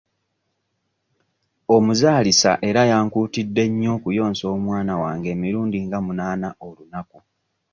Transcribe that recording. Omuzaalisa era yankuutidde nnyo okuyonsa omwana wange emirundi nga munaana olunaku.